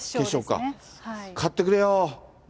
勝ってくれよぉ。